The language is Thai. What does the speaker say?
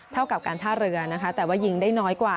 เท่ากับการท่าเรือนะคะแต่ว่ายิงได้น้อยกว่า